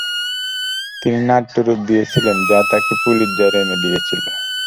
তিনি নাট্যরূপ দিয়েছিলেন যা তাকে পুলিৎজার এনে দিয়েছিল।